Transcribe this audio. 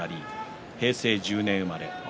平成１０年生まれ。